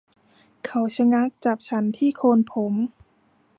เขาชะงักจับฉันที่โคนผม